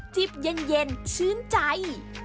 จิบเย็นชื่นใจ